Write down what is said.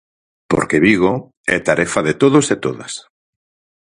Porque Vigo é tarefa de todos e todas.